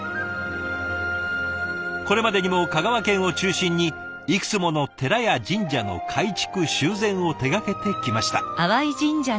これまでにも香川県を中心にいくつもの寺や神社の改築・修繕を手がけてきました。